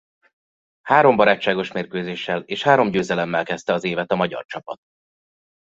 Három barátságos mérkőzéssel és három győzelemmel kezdte az évet a magyar csapat.